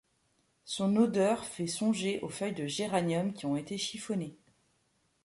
Son odeur fait songer aux feuilles de géranium qui ont été chiffonnées.